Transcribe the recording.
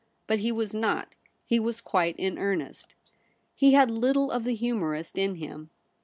But he was not ; he was quite in earnest. He had little of the humourist in him.